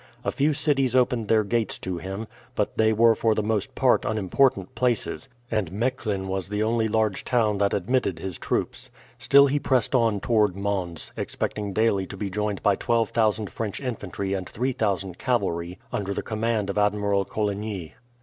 A few cities opened their gates to him; but they were for the most part unimportant places, and Mechlin was the only large town that admitted his troops. Still he pressed on toward Mons, expecting daily to be joined by 12,000 French infantry and 3,000 cavalry under the command of Admiral Coligny.